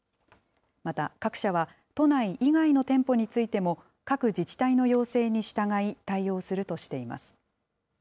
また各社は、都内以外の店舗についても、各自治体の要請に従い、対応するとしています。